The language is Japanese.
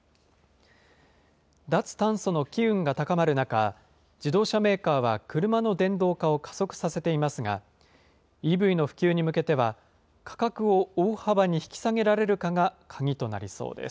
脱炭素の機運が高まる中、自動車メーカーは車の電動化を加速させていますが、ＥＶの普及に向けては、価格を大幅に引き下げられるかが鍵となりそうです。